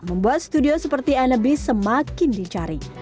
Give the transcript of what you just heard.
membuat studio seperti aneby semakin dicari